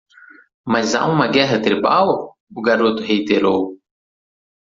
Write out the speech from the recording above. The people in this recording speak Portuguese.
"Mas há uma guerra tribal?" o garoto reiterou.